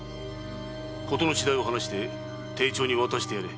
ことの次第を話して丁重に渡してやれ。